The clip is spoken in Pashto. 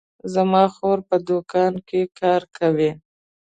زما خور په دوکان کې کار کوي